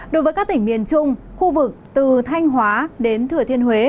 đối với các tỉnh miền trung khu vực từ thanh hóa đến thừa thiên huế